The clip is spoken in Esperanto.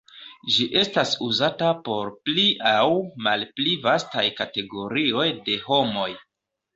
Ĝi estas uzata por pli aŭ malpli vastaj kategorioj de homoj.